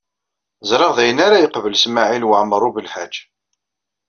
Ẓriɣ d ayen ara yeqbel Smawil Waɛmaṛ U Belḥaǧ.